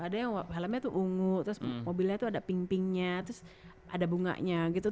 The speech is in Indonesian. ada yang helmnya tuh ungu terus mobilnya tuh ada pink pinknya terus ada bunganya gitu